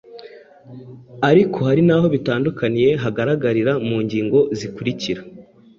Ariko hari n'aho bitandukanye hagaragarira mu ngingo zikurikira: